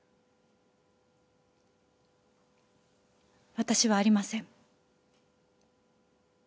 私はありません。